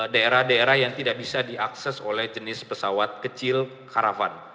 daerah daerah yang tidak bisa diakses oleh jenis pesawat kecil karavan